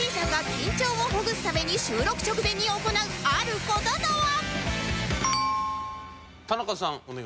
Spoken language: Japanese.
ＪＰさんが緊張をほぐすため収録直前に行う事とは？